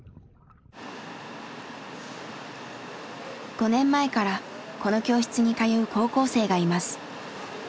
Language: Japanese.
５年前からこの教室に通う高校生がいます。